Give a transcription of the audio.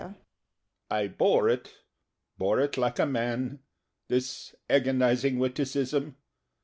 I bore it bore it like a man This agonizing witticism!